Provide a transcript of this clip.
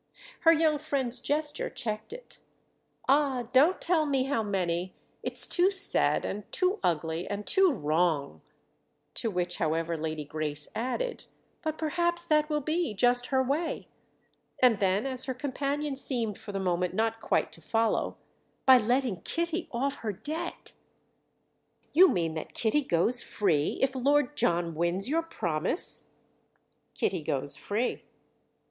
Her young friend's gesture checked it. "Ah, don't tell me how many—it's too sad and too ugly and too wrong!" To which, however, Lady Grace added: "But perhaps that will be just her way!" And then as her companion seemed for the moment not quite to follow: "By letting Kitty off her debt." "You mean that Kitty goes free if Lord John wins your promise?" "Kitty goes free."